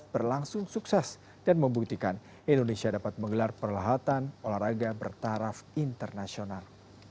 dua ribu delapan belas berlangsung sukses dan membuktikan indonesia dapat menggelar perlahatan olahraga bertaraf internasional